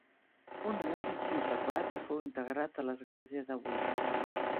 Un mur és conservat i fou integrat a l'església d'avui.